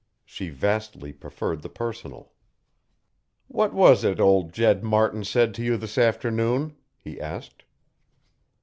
She vastly preferred the personal. "What was it old Jed Martin said to you this afternoon?" he asked.